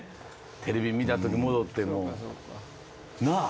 テレビ見てた時に戻ってなあ？